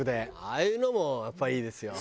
ああいうのもやっぱいいですよ。